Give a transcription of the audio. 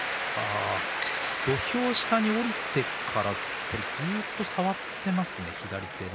土俵下に下りてからずっと触っていますね左手を。